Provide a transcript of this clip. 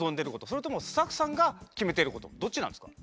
それともスタッフさんが決めてることどっちなんですか？